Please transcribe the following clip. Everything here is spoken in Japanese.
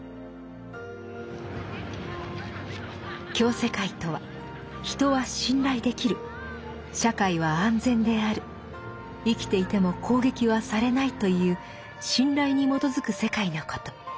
「共世界」とは人は信頼できる社会は安全である生きていても攻撃はされないという信頼に基づく世界のこと。